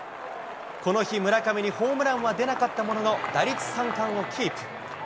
この日、村上にホームランは出なかったものの打率三冠をキープ。